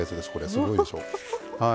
すごいでしょ。